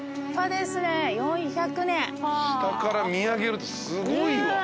下から見上げるとすごいわ。